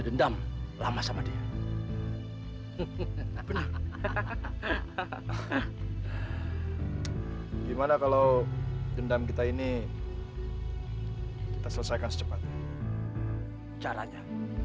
sampai jumpa di video selanjutnya